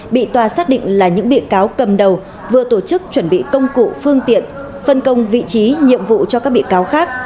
bị tòa xác định là những bị cáo cầm đầu vừa tổ chức chuẩn bị công cụ phương tiện phân công vị trí nhiệm vụ cho các bị cáo khác